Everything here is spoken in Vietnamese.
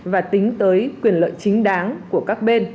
và tính tới quyền lợi chính đáng của các bên